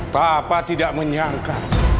papa tidak menyangka